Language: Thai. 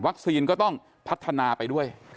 วัคซีนก็ต้องพัฒนาไปด้วย